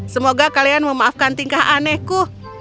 semoga kalian memaafkan tingkah anehku